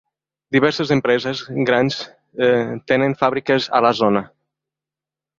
Diverses empreses grans tenen fàbriques a la zona.